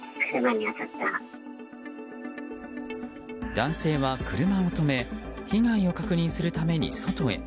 男性は車を止め被害を確認するために外へ。